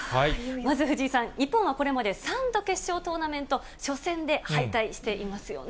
まず藤井さん、日本はこれまで３度決勝トーナメント初戦で敗退していますよね。